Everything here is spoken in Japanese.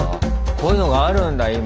こういうのがあるんだ今。